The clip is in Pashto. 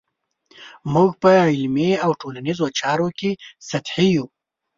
موږ په علمي او ټولنیزو چارو کې سطحي یو.